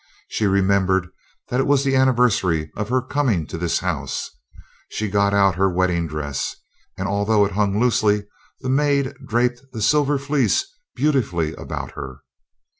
She remembered that it was the anniversary of her coming to this house. She got out her wedding dress, and although it hung loosely, the maid draped the Silver Fleece beautifully about her.